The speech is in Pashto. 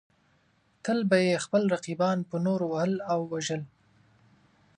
تل به یې خپل رقیبان په نورو وهل او وژل.